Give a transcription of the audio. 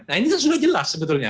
nah ini kan sudah jelas sebetulnya